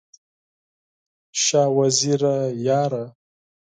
شاه وزیره یاره!